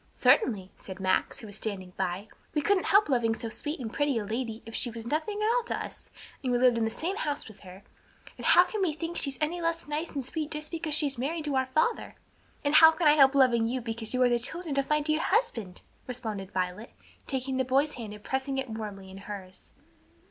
"Certainly," said Max, who was standing by; "we couldn't help loving so sweet and pretty a lady if she was nothing at all to us and we lived in the same house with her, and how can we think she's any less nice and sweet just because she's married to our father?" "And how can I help loving you because you are the children of my dear husband?" responded Violet, taking the boy's hand and pressing it warmly in hers.